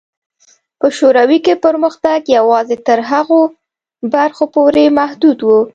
په شوروي کې پرمختګ یوازې تر هغو برخو پورې محدود و.